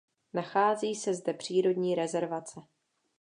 Nachází se zde přírodní rezervace.